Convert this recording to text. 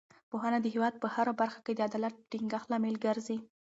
پوهنه د هېواد په هره برخه کې د عدالت د ټینګښت لامل ګرځي.